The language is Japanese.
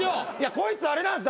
こいつあれなんです。